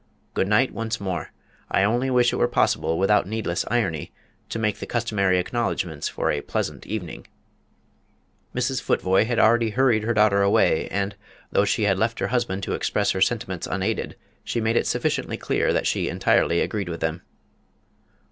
Good night, once more. I only wish it were possible, without needless irony, to make the customary acknowledgments for a pleasant evening." Mrs. Futvoye had already hurried her daughter away, and, though she had left her husband to express his sentiments unaided, she made it sufficiently clear that she entirely agreed with them.